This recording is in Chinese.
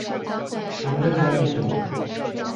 常赈赡贫穷。